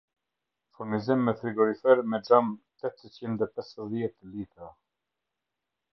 Furnizim me frigorifer me xham tetëqind e pesëdhjetë litra